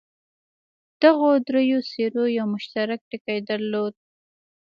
دغو دریو څېرو یو مشترک ټکی درلود.